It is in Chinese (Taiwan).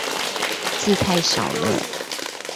字太小了